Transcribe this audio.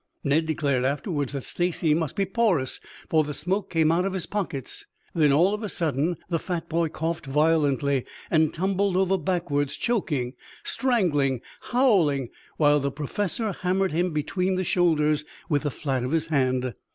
Ned declared afterwards that Stacy must be porous, for the smoke came out of his pockets. Then all of a sudden the fat boy coughed violently, and tumbled over backwards, choking, strangling, howling, while the Professor hammered him between the shoulders with the flat of his hand.